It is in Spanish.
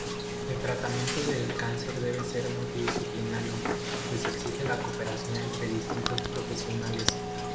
El tratamiento del cáncer debe ser multidisciplinario, pues exige la cooperación entre distintos profesionales.